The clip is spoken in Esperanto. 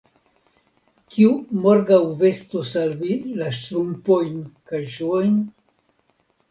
kiu morgaŭ vestos al vi la ŝtrumpojn kaj ŝuojn?